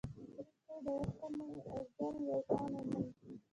وروسته يې د اوسپنې او زرو يو کان وموند.